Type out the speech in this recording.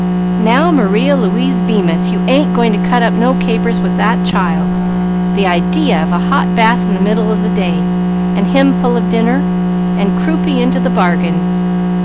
"Now, Maria Louisa Bemis, you ain't going to cut up no capers with that child! The idea of a hot bath in the middle of the day, and him full of dinner, and croupy into the bargain!